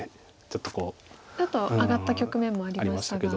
ちょっと上がった局面もありましたが。